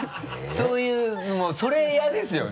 そういうそれ嫌ですよね。